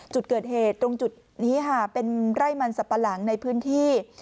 จุดเกิดเหตุตรงจุดนี้ค่ะเป็นไร่มันสับปะหลังในพื้นที่